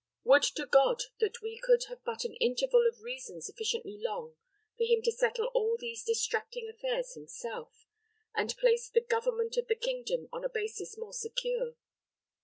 Would to God that we could but have an interval of reason sufficiently long for him to settle all these distracting affairs himself, and place the government of the kingdom on a basis more secure.